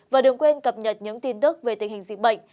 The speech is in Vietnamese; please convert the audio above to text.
và đừng quên cập nhật những tin tức về tình hình dịch bệnh